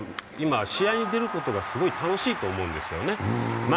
今、試合に出ることがすごく楽しいと思うんですよね。